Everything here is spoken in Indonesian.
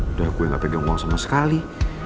udah gue gak pegang uang sama sekali